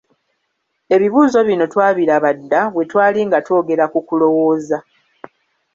Ebibuzo bino twabiraba dda, bwe twali nga twogera ku kulowooza.